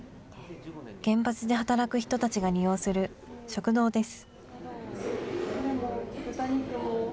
原発で働く人たちが利用する食堂です。